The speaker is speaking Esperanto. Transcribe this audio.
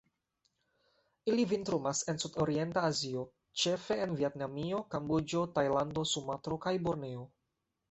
Ili vintrumas en Sudorienta Azio, ĉefe en Vjetnamio, Kamboĝo, Tajlando, Sumatro kaj Borneo.